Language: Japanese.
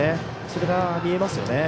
それが見えますね。